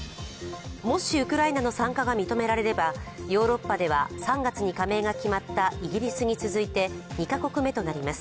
もしウクライナの参加が認められれば、ヨーロッパでは３月に加盟が決まったイギリスに続いて２か国目となります。